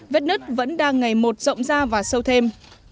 vết nứt vẫn đang ngày một rộng ra và sâu thêm